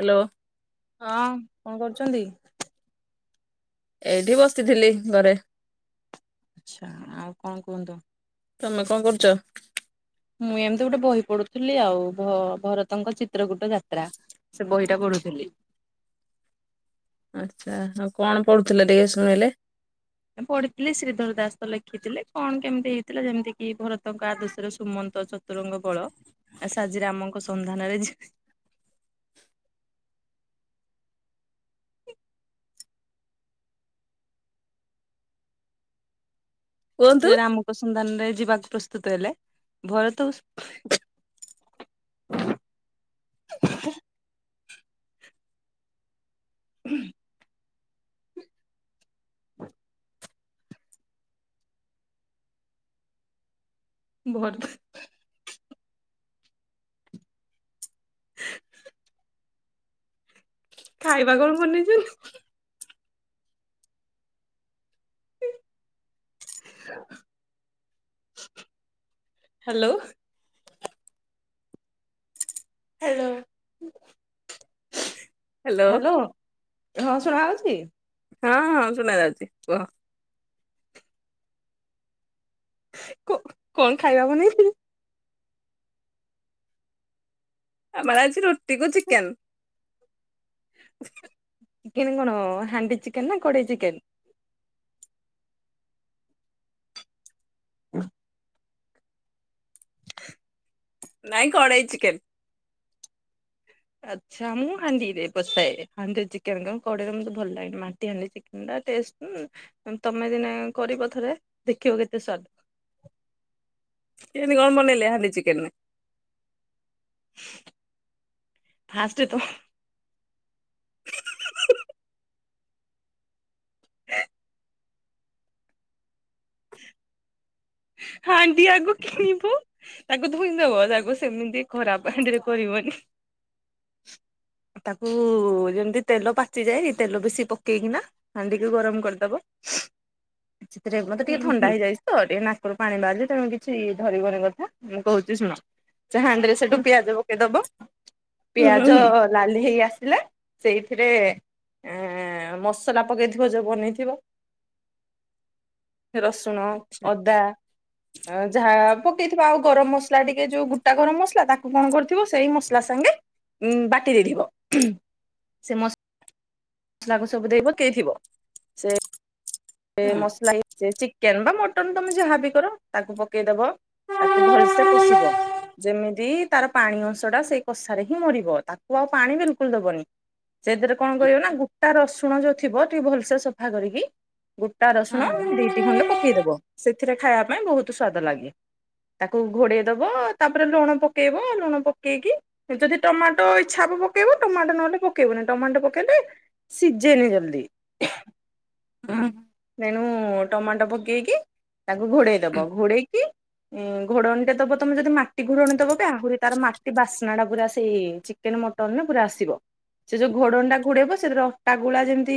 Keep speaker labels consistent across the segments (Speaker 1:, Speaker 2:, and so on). Speaker 1: Hello.
Speaker 2: ହଁ କଣ କରୁଛନ୍ତି?
Speaker 1: ଏଇଠି ବସିଥିଲି ଘରେ।
Speaker 2: ଆଚ୍ଛା ଆଉ କଣ କୁହନ୍ତୁ।
Speaker 1: ତମେ କଣ କରୁଚ?
Speaker 2: ମୁଁ ଏମିତି ଗୋଟେ ବହି ପଢୁଥିଲି ଆଉ ଭ ଭରତଙ୍କ ଚିତ୍ରକୂଟ ଯାତ୍ରା। ସେ ବହିଟା ପଢୁଥିଲି।
Speaker 1: ଆଚ୍ଛା ଆଉ କଣ ପଢୁଥିଲେ ଟିକେ ସୁଣେଇଲେ।
Speaker 2: ପଢିଥିଲି ଶ୍ରୀଧର ଦାସ ତ ଲେଖିଥିଲେ କଣ କେମିତି ହେଇଥିଲା ଯେମିତି କି ଭରତଙ୍କ ଆଦର୍ଶରେ ସୁମନ୍ତ ଚ ତୁରଙ୍ଗ ବଳ ଆ ସାଜିରାମଙ୍କ ସନ୍ଧାନରେ ଯେ
Speaker 1: କୁହନ୍ତୁ
Speaker 2: ରାମଙ୍କ ସନ୍ଧାନରେ ଯିବାକୁ ପ୍ରସ୍ତୁତ ହେଲେ ଭରତ ହୁଁ। ହଁ ବହତ ହ ଖାଇବା କଣ ବନେଇଛ? [inaudible] ହାଲୋ। Hello
Speaker 1: hello
Speaker 2: hello. ହଁ ଶୁଣା ଯାଉଚି।
Speaker 1: ହଁ ହଁ ଶୁଣା ଯାଉଚି କୁହ।
Speaker 2: କୋ କଣ ଖାଇବା ବନେଇ ଥିଲେ।
Speaker 1: ଆମର ଆଜି ରୁଟି କୁ ଚିକେନ।
Speaker 2: ଚିକେନ୍ କଣ ହାଣ୍ଡି ଚିକେନ୍ ନା କଡେଇ ଚିକେନ୍? [unintelligible] [inaudible]
Speaker 1: ନାଇଁ କଡେଇ ଚିକେନ।
Speaker 2: ଆଚ୍ଛା ମୁଁ ହାଣ୍ଡିରେ ବସାଏ ହାଣ୍ଡିରେ ଚିକେନ କଣ କଡେଇରେ ମତେ ଭଲ ଲାଗେନି ମାଟି ହାଣ୍ଡି ଚି [unintelligible] ତମେ ଦିନେ କରିବ ଥରେ ଦେଖିବ କେତେ ସ୍ୱାଦ।
Speaker 1: କେମତି କଣ ବନେଇଲେ ହାଣ୍ଡି ଚିକେନ?
Speaker 2: ଫାଷ୍ଟ ତ [inaudible] [inaudible] ହାଣ୍ଡି ଆଗ କିଣିବ। ତାକୁ ଧୋଇଁଦବ ତାକୁ ସେମିତି ଖରାପ ହାଣ୍ଡିରେ କରିବନି। ତାକୁ ଯେମିତି ତେଲ ପାଚିଯାଏ ତେଲ ବେଶି ପକେଇକିନା ହାଣ୍ଡିିକୁ ଗରମ କରିଦବ ସେଥିରେ ମତେ
Speaker 1: ହୁଁ
Speaker 2: ଟିକେ ଥଣ୍ଡା
Speaker 1: ହୁଁ
Speaker 2: ହେଇଯାଇଛି ତ ଟିକେ ନା ଉପରୁ ପାଣି ବାହାରୁଚି ତେଣୁ କିଛି ଧରିବନି କଥା ମୁ କହୁଛି ଶୁଣ। ସେ ହାଣ୍ଡିରେ ସେଠୁ ପିଆଜ ପକେଇଦବ।
Speaker 1: ହୁଁ
Speaker 2: ପିଆଜ
Speaker 1: ହୁଁ ହୁଁ
Speaker 2: ଲାଲି ହେଇ ଆସିଲେ ସେଇଥିରେ ଏଁ ମସଲା ପକାଇଥିବ ଯେଉଁ ବନେଇଥିବ। ରସୁଣ ଅଦା ଯାହା ପକେଇଥିବ ଆଉ ଗରମ ମସଲା ଟିକେ ଯୋଉ ଗୋଟା ଗରମ ମସଲା ତାକୁ କଣ କରିଥିବ ସେଇ ମସଲା ସାଙ୍ଗେ ଉଁ ବାଟିଦେଇଥିବ ସେଇ ମସ ଲାକୁ ସବୁ ଦେଇ ପକେଇ ଥିବ। ଏ ମସଲା [unintelligible] ଚିକ। ଚିକେନ୍ ବା ମଟନ ତମେ ଯାହାବି କର ତାକୁ ପକେଇଦବ
Speaker 1: ହଁ
Speaker 2: ତାକୁ ଭଲସେ କଷିବ। ଯେମିତି ତାର ପାଣି ଅଂଶ ଟା ସେଇ କଷାରେ ହିଁ ମରିବ ତାକୁ ଆଉ ପାଣି ବିଲକୁଲ ଦବନି। ସେଥିରେ କଣ କରିବ ନା ଗୋଟା ରସୁଣ ଯୋଉ ଥିବ ଟିକେ ଭଲସେ ସଫା କରିକି। ଗୋଟା ରସୁଣ
Speaker 1: ହଁ
Speaker 2: ଦିଟି ଖଣ୍ଡେ ପକେଇଦବ ସେଥିରେ ଖାଇବା ପାଇଁ ବହୁତ ସ୍ଵାଦ ଲାଗେ। ତାକୁ ଘୋଡେଇ ଦବ ତାପରେ ଲୁଣ ପକେଇବ ଲୁଣ ପକେଇକି। ଯଦି ଟମାଟୋ ଇଛା ହବ ପକେଇବ ଟମାଟୋ ନହେଲେ ପକେଇବନି ଟମାଟୋ ପକେଇଲେ। ସିଜେ ନି ଜଲଦି।
Speaker 1: ହୁଁ।
Speaker 2: ତେଣୁ ଟମାଟୋ ପକେଇକି ତାଙ୍କୁ ଘୋଡେଇଦବ ଘୋଡେଇକି। ଉଁ ଘୋଡଣୀଟେ ଦବ ତମେ ଯଦି ମାଟି ଘୋଡ଼ଣୀ ଦବବି ଆହୁରି ତାର ମାଟି ବାସ ନା ଟା ପୁରା ସେଇ ଚିକେନ ମଟନ ପୁରା ଆସିବ। ସେ ଯୋଉ ଘୋଡଟା ଘୋଡେଇବ ସେଥିରେ ଅଟା ଗୁଳା ଯେମିତି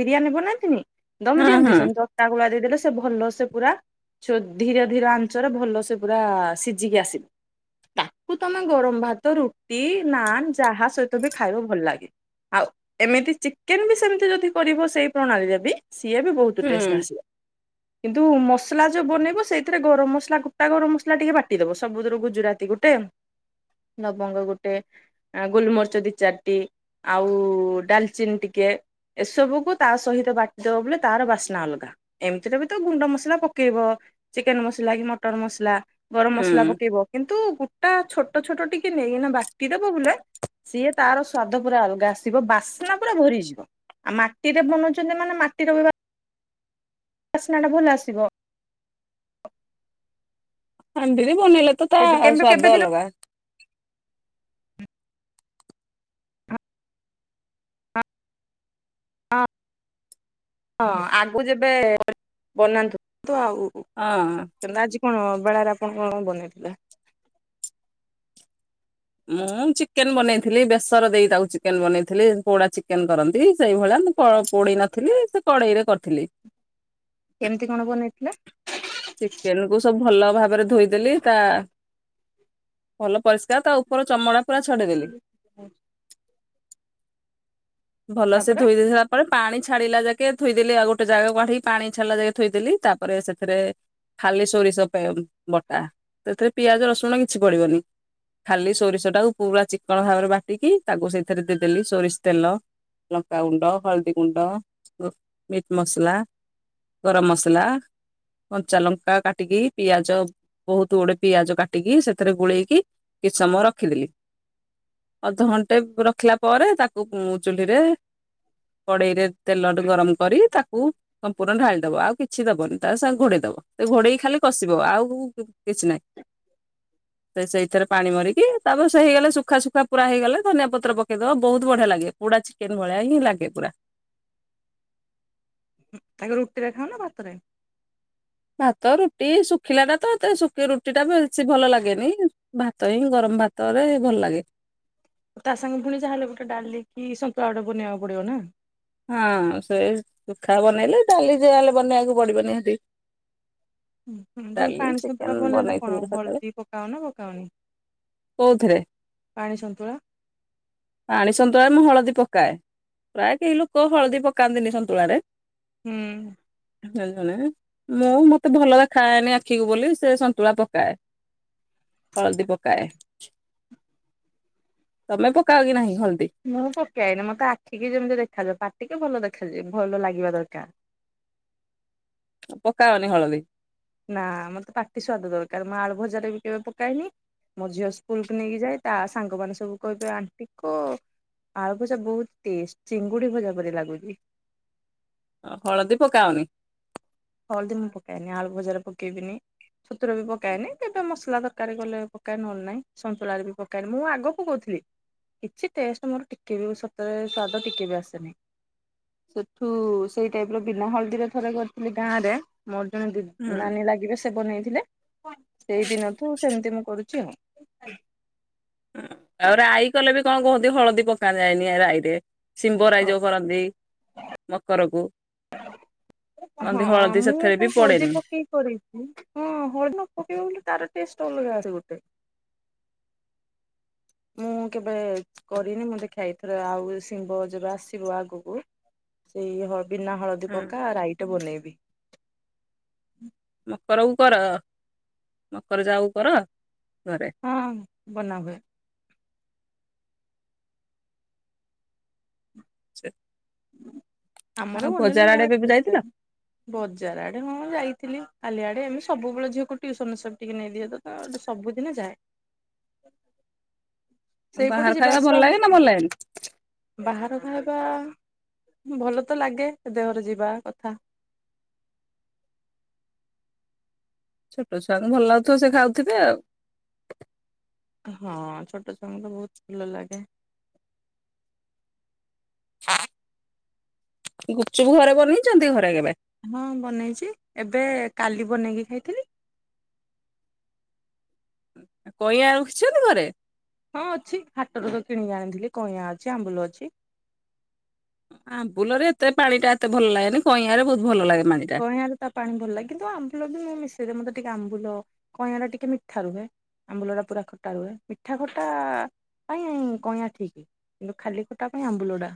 Speaker 2: ବିରିୟାନୀ ବନାନ୍ତିନି। ଦମ
Speaker 1: ହଁ
Speaker 2: ଦିଅନ୍ତି
Speaker 1: ହଁ
Speaker 2: ସେମିତି ଅଟା ଗୁଳା ଦେଇଦେଲେ ସେ ଭଲ ସେ ପୁରା। ଛୋ ଧୀରେ ଧୀରେ ଆଂଞ୍ଚରେ ଭଲ ସେ ପୁରା ସିଝିକି ଆସିବ। ତାକୁ ତମେ ଗରମ ଭାତ ରୁଟି ନାନ୍ ଯାହା ସହିତ ବି ଖାଇବ ଭଲ ଲାଗେ। ଆଉ ଏମିତି ଚିକେନ ବି ସେମିତି ଯଦି କରିବ ସେଇ ପ୍ରଣାଳୀ ଜଦି। ସିଏ ବି ବହୁତ
Speaker 1: ହୁଁ
Speaker 2: ଟେଷ୍ଟ ଆସିବ। କିନ୍ତୁ ମସଲା ଯୋଉ ବନେଇବ ସେଇଥିରେ ଗରମ ମସଲା ଗୋଟା ଗରମ ମସଲା ଟିକେ ବାଟିଦବ ସବୁଥିରୁ ଗୁଜୁରାତି ଗୋଟେ। ଲବଙ୍ଗ ଗୋଟେ ଆ ଗୋଲମରିଚ ଦି ଚାରିଟି। ଆଉ ଡାଲଚିନି ଟିକେ ଏସବୁକୁ ତା ସହିତ ବାଟି। ଟି ଦବ ବେଲେ ତାର ବାସ୍ନା ଅଲଗା ଏମିତିରେ ବି ତ ଗୁଣ୍ଡ ମସଲା ପକେଇବ। ଚିକେନ୍ ମସଲା କି ମଟନ୍ ମସଲା ଗରମ ମସଲା
Speaker 1: ହୁଁ
Speaker 2: ପକେଇବ କିନ୍ତୁ। ଗୋଟା ଛୋଟ ଛୋଟ ଟିକେ ନେଇକିନା ବାଟି ଦେବ ବୋଲେ। ସିଏ ତାର ସ୍ଵାଦ ପୁରା ଅଲଗା ଆସିବ ବାସ୍ନା ପୁରା ଭରିଯିବ। ଆଉ ମାଟିରେ ବନଉଛନ୍ତି ମାନେ ମାଟିର ବି ବାସ୍ନାଟା ଭଲ ଆସିବ।
Speaker 1: ହାଣ୍ଡିରେ ବନେଇଲେ ତ ତା
Speaker 2: କେବେ କେବେ
Speaker 1: ସ୍ଵାଦ
Speaker 2: ଦିନ
Speaker 1: ଅଲଗା।
Speaker 2: ହଁ ହଁ ଆଗକୁ ଯେବେ ବନାନ୍ତୁ ଆଉ।
Speaker 1: ହଁ।
Speaker 2: ତେମେ ଆଜି କଣ ବେଳାରେ ଆପଣ କଣ ବନେଇଥିଲେ।
Speaker 1: ମୁଁ ଚିକେନ୍ ବନେଇଥିଲି ବେସର ଦେଇ ତାକୁ ଚିକେନ୍ ବନେଇଥିଲି ପୋଡା ଚିକେନ୍ କରନ୍ତି। ସେଇଭଳିଆ ମୁଁ କ ପୋଡି ନଥିଲି ସେ କଡେଇରେ କରିଥିଲି।
Speaker 2: କେମିତି କଣ ବନେଇ ଥିଲେ।
Speaker 1: ଚିକେନ୍ କୁ ସବୁ ଭଲ ଭାବରେ ଧୋଇଦେଲି ତା ଭଲ ପରିଷ୍କାର ତା ଉପର ଚମଡା ପୁରା ଛଡେଇ ଦେଲି।
Speaker 2: [inaudible]
Speaker 1: ଭଲ ସେ
Speaker 2: ତାପରେ
Speaker 1: ଧୋଇ ଦେଇ ସାଇଲା। ତା ପରେ ପାଣି ଛାଡିଲା ଯାକେ ଥୋଇଦେଲି ଆଉ ଗୋଟେ ଜାଗାକୁ କାଢିକି ପାଣି ଛାଡିଲା ଯାକ ଥୋଇଦେଲି ତାପରେ ସେଥିରେ। ଖାଲି ସୋରିଷ ପେ ବଟା ସେଥିରେ ପିଆଜ ରସୁଣ କିଛି ପଡିବନି। ଖାଲି ସୋରିଷ ଟାକୁ ପୁରା ଚିକ୍କଣ ଭାବରେ ବାଟିକି ତାକୁ ସେଇଥିରେ ଦେଇଦେଲି ସୋରିଷ ତେଲ। ଲଙ୍କାଗୁଣ୍ଡ ହଳଦୀ ଗୁଣ୍ଡ ଅ ମିଟ୍ ମସଲା। ଗରମ ମସଲା କଞ୍ଚା ଲଙ୍କା କାଟିକି, ପିଆଜ। ବହୁତ ଗୁଡେ ପିଆଜ କାଟିକି, ସେଥିରେ ଗୋଳେଇକି, କିଛି ସମୟ ରଖିଦେଲି। ଅଧଘଣ୍ଟେ ରଖିଲା ପରେ ତାକୁ ଚୁ୍ଲିରେ। କଡେଇରେ ତେଲ ଟେ ଗରମ କରି ତାକୁ ସମ୍ପୂର୍ଣ୍ଣ ଢାଳି ଦବ ଆଉ କିଛି ଦବନି ତା ସାଙ୍ଗେ ଘୋଡେଇ ଦବ ସେ ଘୋଡେଇ ଖାଲି କଷିବ ଆଉ। କିଛି ନାହିଁ। ସେ ସେଇଥିରେ ପାଣି ମରିକି ତାପରେ ସେ ହେଇଗଲା ସୁୁଖା ସୁୁଖା ପୁରା ହେଇଗଲେ ଧନିଆ ପତ୍ର ପକେଇଦବ ବହୁତ ବଢିଆ ଲାଗେ। ପୋଡା ଚିକେନ୍ ଭଳିଆ ହିଁ ଲାଗେ ପୁରା।
Speaker 2: ଉଁ ଆକୁ ରୁଟିରେ ଖାଅ ନା ଭାତରେ।
Speaker 1: ଭାତ ରୁଟି ଶୁଖିଲା ଟା ତ ଏତେ ଶୁଖି ରୁଟି ଟା ବେଶୀ ଭଲ ଲାଗେନି। ଭାତ ହିଁ ଗରମ ଭାତରେ ଭଲ ଲାଗେ।
Speaker 2: ତା ସାଙ୍ଗେ ପୁଣି ଯାହାହେଲେ ଗୋଟେ ଡ଼ାଲି କି ସନ୍ତୁଳା ଗୋଟେ ବନେଇବାକୁ ପଡିବ ନା।
Speaker 1: ହଁ ସେ ସୁୁଖା ବନେଇଲେ ଡାଲି ଯା ହେଲେ ବନେଇବାକୁ ପଡିବ ନିହାତି।
Speaker 2: ହୁଁ ହଁ ତମେ
Speaker 1: ଡାଲି
Speaker 2: ପାଣି
Speaker 1: ଚିକେନ
Speaker 2: ସନ୍ତୁଳା ବନେଇଲେ କଣ
Speaker 1: ବନେଇଥିଲି ସକାଳେ
Speaker 2: ହଳଦୀ ପକାଅ ନା ପକାଅନି।
Speaker 1: କୋଉଥିରେ।
Speaker 2: ପାଣି ସନ୍ତୁଳା।
Speaker 1: ପାଣି ସନ୍ତୁଳାରେ ମୁଁ ହଳଦୀ ପକାଏ ପ୍ରାୟେ କେହି ଲୋକ। ଲୋକ ହଳଦୀ ପକାନ୍ତିନି ସନ୍ତୁଳାରେ।
Speaker 2: ହୁଁ।
Speaker 1: [unintelligible] ମୁଁ ମତେ ଭଲ ଦେଖା ଯାଏନି ଆଖିକୁ ବୋଲି ସେ ସନ୍ତୁଳା ପକାଏ। ହଳଦୀ ପକାଏ ତମେ ପକାଅ କି ନାହିଁ ହଳଦୀ।
Speaker 2: ମୁଁ ପକାଏନି ମତେ ଆଖିକି ଯେମିତି ଦେଖାଯିବ ପାଟିକି ଭଲ ଦେଖାଯିବା ଭଲ ଲାଗିବା ଦରକାର।
Speaker 1: ପକାଅନି ହଳଦୀ।
Speaker 2: ନା ମତେ ପାଟି ସ୍ବାଦ ଦରକାର ମୁଁ ଆଳୁ ଭଜାରେ ବି କେବେ ପକାଏନି। ମୋ ଝିଅ ସ୍କୁଲକୁୁ ନେଇକି ଯାଏ ତା ସାଙ୍ଗ ମାନ ସବୁ କହିବେ ଆଣ୍ଟି କ ଆଳୁ ଭଜା ବହୁତ ଟେଷ୍ଟ ଚିଙ୍ଗୁଡି ଭଜା ପରି ଲାଗୁଛି।
Speaker 1: ହଳଦୀ ପକାଅନି।
Speaker 2: ହଳଦି ମୁଁ ପକାଏନି ଆଳୁ ଭଜାରେ ପକେଇବିନି। ସନ୍ତୁଳାରେ ବି ପକାଏନି କେବେ ମସଲା ଦରକାର ଗଲେ ପକାଏ ନହଲେ ନାହିଁ ସନ୍ତୁଳାରେ ବି ପକାଏନି ମୁଁ ଆଗକୁ କହୁଥିଲି। କିଛି ଟେଷ୍ଟ ମୋର ଟିକେ ବି ସତରେ ସ୍ଵାଦ ଟିକେ ବି ଆସେନି। ସେଠୁ ତୁ ସେଇ ଟାଇପ ର ପିଲା ହଳଦୀର ଥରେ କ ଗାଁ ରେ ମୋର ଜଣେ ନାନୀ ଲାଗିବେ ସେ ବନେଇଥିଲେ। ସେଇଦିନ ଠୁ ସେମିତି ମୁଁ କରୁଛି ଆଉ।
Speaker 1: ଆଉ ରାଇ କଲେ ବି କଣ କୁହନ୍ତି ହଳଦୀ ପକା ଯାଏନି ରାଇରେ। ଶିମ୍ବରାଇ ଯଉ କରନ୍ତି ମକରକୁ।
Speaker 2: ହଁ
Speaker 1: କହନ୍ତି ହଳଦୀ
Speaker 2: ମୁଁ
Speaker 1: ସେଥିରେ ବି
Speaker 2: କାହି ହଳଦୀ
Speaker 1: ପଡେନି।
Speaker 2: ପକେଇକି କରିଛି। ହଁ ହଳଦି ନ ପକେଇବା ବୋଲି ତାର ଟେଷ୍ଟ ଅଲଗା ଆସେ ଗୋଟେ। ମୁଁ କେବେ କରିନି ମୋ ଦେଖଥରେ ଆଉ ଶିମ୍ବ ଯେବେ ଆସିବ ଆଗକୁ ସେଇ ହ ବିନା ହଳଦୀ ପକା ରାଇଟେ ବନେଇବି।
Speaker 1: ମକରକୁ କର ମକର ଯାଉ କର ଘରେ
Speaker 2: ହଁ ବନାଉ।
Speaker 1: ଆଛା।
Speaker 2: ଆମର ବନେଇଲେ ମୁଁ
Speaker 1: ଆଡେ ଏବେ ଯାଇଥିଲ
Speaker 2: [unintelligible] ବଜାର ଆଡେ ହଁ ଯାଇଥିଲି କାଲି ଆଡେ ଏମିତୀ ସବୁବେଳେ ଝିଅକୁ ଟିଉସନ ସବୁବେଳେ ଟିକେ ନେଇ ଦିଅ ତ ତ ସବୁଦିନ ଯାଏ।
Speaker 1: ବାହାର
Speaker 2: ସେଇପଟେ ଯିବା
Speaker 1: ଖାଇବା ଭଲ
Speaker 2: ଆସିବା
Speaker 1: ଲାଗେ
Speaker 2: ହେଲା
Speaker 1: ନା
Speaker 2: ଆଉ
Speaker 1: ଭଲ ଲାଗେନି?
Speaker 2: ବାହାର ଖାଇବା ଭଲ ତ ଲାଗେ ଦେହରେ ଯିବା କଥା।
Speaker 1: ଛୋଟ ଛୁଆଙ୍କୁ ଭଲ ଲାଗୁଥିବ ସେ ଖାଉଥିବେ ଆଉ।
Speaker 2: ହଁ ଛୋଟ ଛୁଆଙ୍କୁ ବହୁତ ଭଲ ଲାଗେ।
Speaker 1: ହଁ। ଗୁପଚୁପୁ ଘରେ ବନେଇଛନ୍ତି ଘରେ କେବେ?
Speaker 2: ହଁ ବନେଇଛି ଏବେ କାଲି ବନେଇକି ଖାଇଥିଲି।
Speaker 1: କଇଁଆ ରଖିଛନ୍ତି ଘରେ।
Speaker 2: ହଁ ଅଛି ହାଟରୁ ତ କିଣିକି ଆଣିଥିଲି କଇଁଆ ଅଛି ଆମ୍ବୁଲ ଅଛି।
Speaker 1: ଆମ୍ବୁଲରେ ଏତେ ପାଣି ଟା ଏତେ ଭଲ ଲାଗେନି କଇଁଆରେ ବହୁତ ଭଲ ଲାଗେ। ପାଣି ଟା।
Speaker 2: କଇଁଆ ତା ପାଣି ଭଲ ଲାଗେ କିନ୍ତୁ ଆମ୍ବୁଲ ବି ମୁଁ ମିଶେଇଦ ମତେ ଟିକେ ଆମ୍ବୁଲ କଇଁଆ ଟିକେ ମିଠା ରୁହେ। ଆମ୍ବୁଲ ଟା ପୁରା ଖଟା ରୁହେ ମିଠା ଖଟା ପାଇଁ କଇଁଆ ଠିକ। କିନ୍ତୁ ଖାଲି ଖଟା ପାଇଁ ଆମ୍ୱୁଲ ଟା।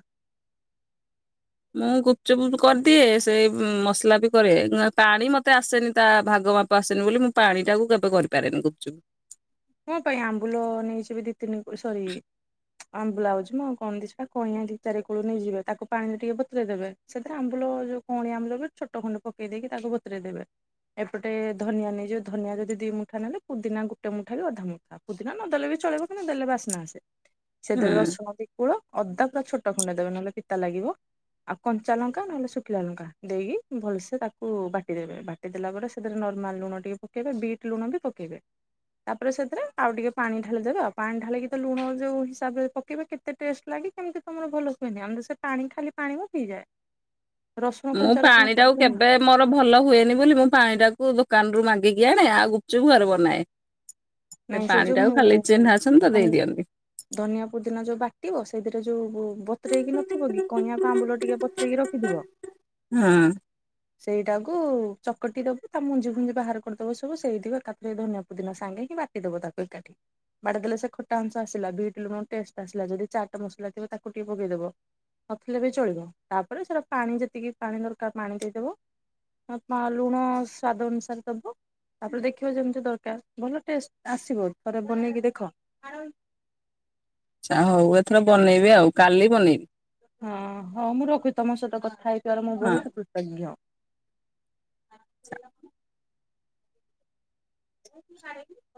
Speaker 1: ମୁଁ ଗୁପଚୁପୁ କରିଦିଏ ସେଇ ମସଲା ବି କରେ ପାଣି ମତେ ଆସେନି ତା ଭାଗ ମାପ ସେନି ବୋଲି ମୁଁ ପାଣି ଟାକୁ କେବେ କରିପାରେନି ଗୁପଚୁପ ରେ।
Speaker 2: କଣ ପାଇଁ ଆମ୍ବୁଲ ନେଇଯିବି ଦି ତିନି ସରି ହଁ ଆମ୍ବୁଲ୍ ମୁ ଆଉ କଣ ଦେଇଛି କଇଁଆ ଚାରି କୁଳୁ ନେଇଯିବେ ତାକୁ ପାଣିରେ ଟିକେ ବତରେଇ ଦେବେ। ସେଥିରେ ଆମ୍ୱୁଲ ଯୋଉ କଅଁଳିଆ ଆମ୍ୱୁଲ ଛୋଟ ଖଣ୍ଡେ ପକେଇ ଦେଇକି ତାକୁ ବତରେଇ ଦେବେ। ଏପଟେ ଧନିଆ ନେଇଯିବ ଧନିଆ ଯଦି ଦିଇ ମୁଠା ନେଲେ ପୁଦିନା ଗୋଟେ ମୁଠା ଠା ଅଧା ମୁଥା ପୁଦି ନା ନ ଦେଲେ ବି ଚଳିବ କିନ୍ତୁ ଦେଲେ ବାସ୍ନା ଆସେ ସେଥୀରେ
Speaker 1: ହୁଁ।
Speaker 2: ରସୁଣ ଦିକୂଳ ଅଦା ପୁରା ଛୋଟ ଖଣ୍ଡେ ଦେବେ ନହେଲେ ପିତା ଲାଗିବ। ଆଉ କଞ୍ଚା ଲଙ୍କା ନହେଲେ ଶୁଖିଲା ଲଙ୍କା ଦେଇକି ଭଲସେ ତାକୁ ବାଟିଦବେ ବାଟି ପ ଦେଲା ପରେ ସେଥିରେ ନର୍ମାଲ ଲୁଣ ଟିକେ ପକେଇବେ ବିଟ୍ ଲୁଣ ବି ପକେଇବେ। ତାପରେ ସେଥିରେ ଆଉ ଟିକେ ପାଣି ଢାଳି ଦେବେ ଆଉ ପାଣି ଢାଳିକି ତ ଲୁଣ ଯୋଉ ହିସାବରେ ପକେଇବେ କେତ କେତେ ଟେଷ୍ଟ ଲାଗି କେମିତି ତମର ଭଲ ହୁହନି ଆମର ସେ ପାଣି ଖାଲି ପାଣି ବି ହେଇଯାଏ।
Speaker 1: ହ
Speaker 2: ରସୁଣ କଞ୍ଚା ରସୁଣ ପଡୁଛ ନା
Speaker 1: ମୋର ଭଲ ହୁଏନି ବୋଲି ମୁଁ ପାଣି ଟାକୁ ଦୋକାନ ରୁ ମାଗିକି ଆଣେ ଆଉ ଗୁପଚୁପୁ ଘରେ ବନାଏ। ସେ
Speaker 2: ନାଇଁ
Speaker 1: ପାଣି
Speaker 2: ଯୋଉ
Speaker 1: ଟାକୁ
Speaker 2: ମୁଁ
Speaker 1: ଖାଲି ଚିହ୍ନା ଆସଛନ୍ତି ତ
Speaker 2: ଧନି
Speaker 1: ଦେଇଦିଅନ୍ତି।
Speaker 2: ଧନିଆ ପୁଦିନା ଯୋଉ ବାଟିବ ସେଇଥିରେ ଯୋଉ ବ ପଥରେଇକି ନଥିବ କି? କଇଁକୁ ଆମ୍ବୁଲ ଟିକେ ପଥରେଇକି ରଖିଥିବ।
Speaker 1: ହଁ ଆଚ୍ଛା
Speaker 2: ସେଇଟାକୁ ଚକଟି ଦବୁ ତା ମଞ୍ଜି ଫୁଞ୍ଜି ବାହାର କରିଦବ ସବୁ, ସେଇଥିବ ତାପରେ ଧନ୍ ସବ ଦିନ ସାଙ୍ଗେ ହିଁ ବାଟି ଦବ ତାକୁ ଏକାଠି। ବାଡି ଦେଲେ ସେ ଖଟା ଅଂସ ଆସିଲା। ବିଟ ଲୁଣ ଟେଷ୍ଟ ଆସିଲା। ଯଦି ଚାଟ ମସଲା ଥିବ ତାକୁ ଟିକେ ପକେଇଦବ। ନଥିଲେ ବି ଚଳିବ। ତାପରେ ସେଟା ପାଣି ଯେତିକି ପାଣି ଦରକାର ପାଣି ଦେଇଦବ। ବା ଲୁଣ ସ୍ଵାଦ ଅନୁସାରେ ଦବ। ତାପରେ ଦେଖିବା ଯେମିତି ଦରକାର। ଭଲ ଟେ ଆସିବ ଥରେ ବନେଇକି ଦେଖ।
Speaker 1: ଯା ହଉ ଏଥର ବନେଇବି ଆଉ କାଲି ବନେଇବି।
Speaker 2: ହଁ ହଁ ମୁଁ ରଖୁ ତମ ସହିତ କଥା ହେଇଥିବାର ମୁଁ
Speaker 1: ହଁ।
Speaker 2: ବହୁତ କୃତଜ୍ଞ। ଓ ଖି [inaudible]